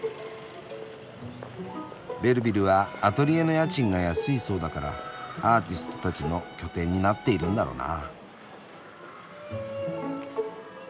ベルヴィルはアトリエの家賃が安いそうだからアーティストたちの拠点になっているんだろうな。